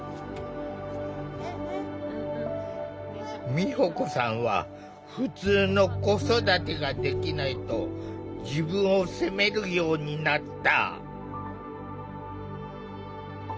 美保子さんはふつうの子育てができないと自分を責めるようになった。